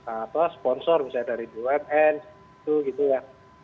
ada sponsor misalnya dari umn gitu ya